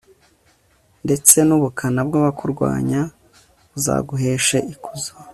ndetse n'ubukana bw'abakurwanya buzaguheshe ikuzo